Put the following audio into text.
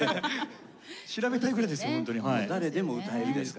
調べたいぐらいですよ